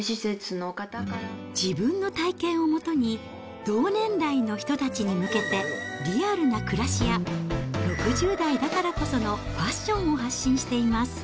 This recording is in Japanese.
自分の体験をもとに、同年代の人たちに向けて、リアルな暮らしや、６０代だからこそのファッションを発信しています。